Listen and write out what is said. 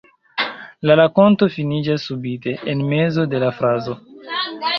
La rakonto finiĝas subite, en mezo de la frazo.